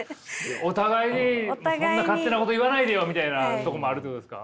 お互いにそんな勝手なこと言わないでよみたいなとこもあるということですか？